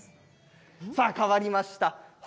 さあ、変わりました。